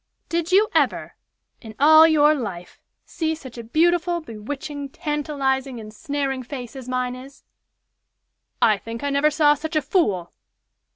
Did you ever, in all your life, see such a beautiful, bewitching, tantalizing, ensnaring face as mine is?" "I think I never saw such a fool!"